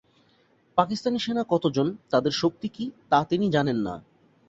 পাকিস্তানি সেনা কতজন, তাদের শক্তি কী, তা তিনি জানেন না।